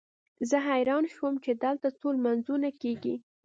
زه حیران شوم چې دلته څو لمونځونه کېږي.